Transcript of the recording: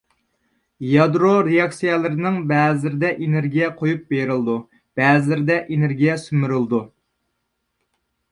يادرو رېئاكسىيەلىرىنىڭ بەزىلىرىدە ئېنېرگىيە قويۇپ بېرىلىدۇ، بەزىلىرىدە ئېنېرگىيە سۈمۈرۈلىدۇ.